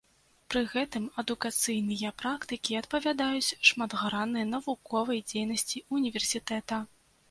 Пры гэтым адукацыйныя практыкі адпавядаюць шматграннай навуковай дзейнасці ўніверсітэта.